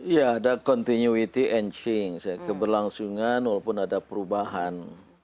ya ada continuity and change keberlangsungan walaupun ada perubahan